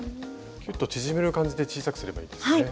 キュッと縮める感じで小さくすればいいですね。